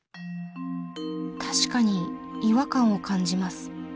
確かに違和感を感じます。